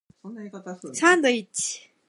サンドイッチ